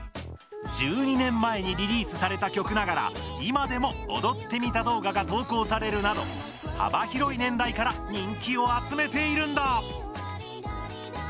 １２年前にリリースされた曲ながら今でも踊ってみた動画が投稿されるなど幅広い年代から人気を集めているんだ。